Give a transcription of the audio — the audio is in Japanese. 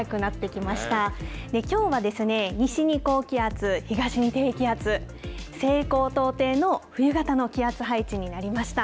きょうは西に高気圧、東に低気圧、西高東低の冬型の気圧配置になりました。